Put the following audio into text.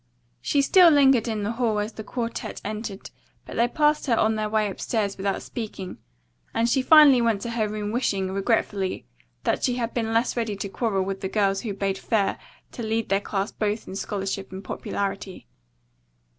She still lingered in the hall as the quartette entered, but they passed her on their way upstairs without speaking and she finally went to her room wishing, regretfully, that she had been less ready to quarrel with the girls who bade fair to lead their class both in scholarship and popularity.